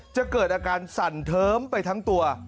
จะเกิดอาการสั่นเทิมไปทั้งตัว